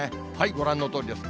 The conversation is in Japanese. ご覧のとおりです。